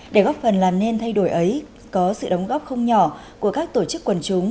để góp phần làm nên thay đổi ấy có sự đóng góp không nhỏ của các tổ chức quần chúng